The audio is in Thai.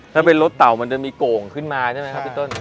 ถ้าเป็นรถเต่ามันจะมีโก่งขึ้นมาใช่ไหมครับพี่ต้น